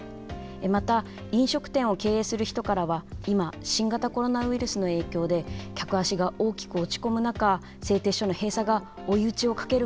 また飲食店を経営する人からは今新型コロナウイルスの影響で客足が大きく落ち込む中製鉄所の閉鎖が追い打ちをかけることになるといいます。